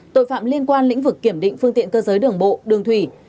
tội phạm liên quan lĩnh vực kiểm định phương tiện cơ giới đường bộ đường thủy